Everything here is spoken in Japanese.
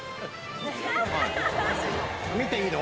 見ていいの？